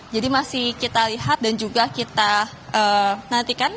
jadi masih kita lihat dan juga kita nantikan